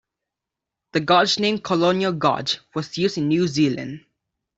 The gauge name Colonial Gauge was used in New Zealand.